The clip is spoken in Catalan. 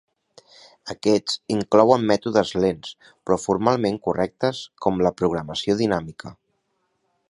Aquests inclouen mètodes lents però formalment correctes com la programació dinàmica.